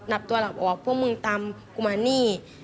นับตัวเราบอกว่าพวกมึงตามกุมานี่